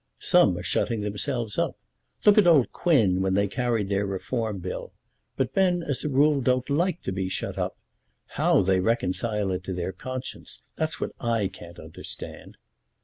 Some are shutting themselves up. Look at old Quin, when they carried their Reform Bill. But men, as a rule, don't like to be shut up. How they reconcile it to their conscience, that's what I can't understand."